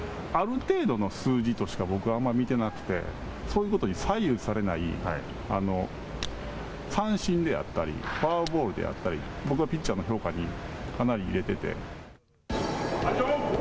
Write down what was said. ある程度の数字としか僕はあんまり見てなくてそういうことに左右されない三振であったりフォアボールであったりピッチャーの評価にかなり入れてて。